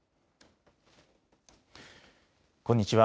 こんにちは。